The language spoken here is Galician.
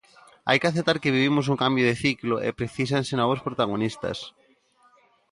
Hai que aceptar que vivimos un cambio de ciclo e precísanse novos protagonistas.